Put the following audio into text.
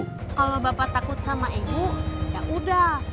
kalau bapak takut sama ibu ya udah